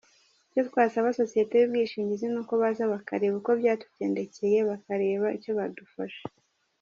Icyo twasaba sosiyete y’ ubwishingizi ni uko baza bakareka uko byatugendekeye bakareba icyo badufasha”.